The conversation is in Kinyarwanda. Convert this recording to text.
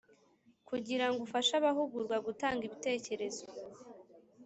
Kugira ngo ufashe abahugurwa gutanga ibitekerezo